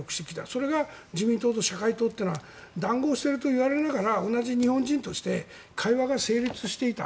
それが自民党と社会というのは談合しているといいながら同じ日本人として会話が成立していた。